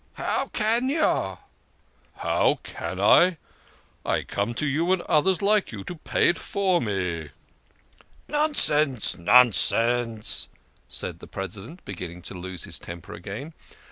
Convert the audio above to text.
" How can you ?"" How can I ? I come to you and others like you to pay it for me." " Nonsense ! Nonsense !" said the President, begin ning to lose his temper again.